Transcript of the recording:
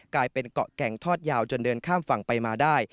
กลายเป็นเกาะแก่งทอดยาวจนเดินข้ามฝั่งไปมาได้